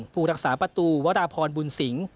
ภูรักษาประตูวรพบุญศิงภ์